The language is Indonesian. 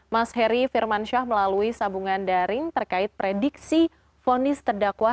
mas heri firmansyah melalui sambungan daring terkait prediksi vonis terdakwa